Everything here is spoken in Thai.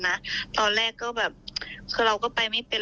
ยืนเหมือนกันนะตอนแรกก็แบบคือเราก็ไปไม่เป็น